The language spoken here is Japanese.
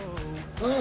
うん。